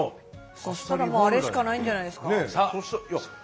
そしたらもうあれしかないんじゃないですか。